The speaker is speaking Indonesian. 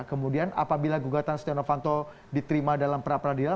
kemudian apabila gugatan setiawana fanto diterima dalam pra peradilan